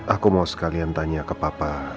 aku mau sekalian tanya ke papa